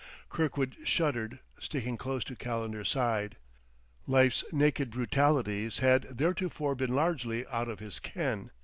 Kirkwood shuddered, sticking close to Calendar's side. Life's naked brutalities had theretofore been largely out of his ken.